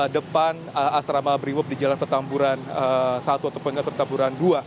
depan asrama berimup di jalan petamburan satu atau penjaga petamburan dua